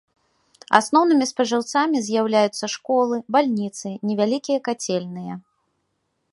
Асноўнымі спажыўцамі з'яўляюцца школы, бальніцы, невялікія кацельныя.